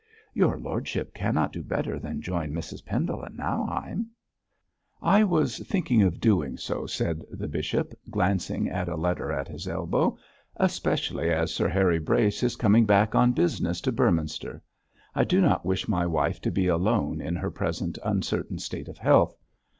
'Your lordship cannot do better than join Mrs Pendle at Nauheim.' 'I was thinking of doing so,' said the bishop, glancing at a letter at his elbow, 'especially as Sir Harry Brace is coming back on business to Beorminster. I do not wish my wife to be alone in her present uncertain state of health.